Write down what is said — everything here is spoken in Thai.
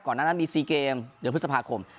หน้านั้นมี๔เกมเดือนพฤษภาคม